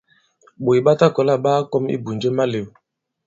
Ɓòt ɓa ta kɔ̀la ɓa kakɔm ibùnje i malew.